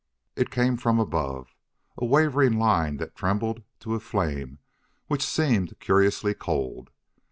It came from above, a wavering line that trembled to a flame which seemed curiously cold.